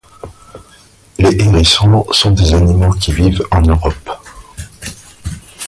Les hérissons sont des animaux qui vivent en Europe